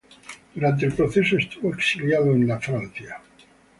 Durante el proceso, estuvo exiliado en Francia.